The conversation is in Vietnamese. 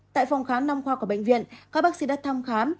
tại phòng khám nông khoa của bệnh viện có bác sĩ đã thăm khám